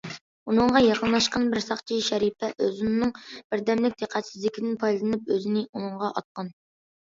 ئۇنىڭغا يېقىنلاشقان بىر ساقچى شەرىپە ئۇزۇننىڭ بىردەملىك دىققەتسىزلىكىدىن پايدىلىنىپ ئۆزىنى ئۇنىڭغا ئاتقان.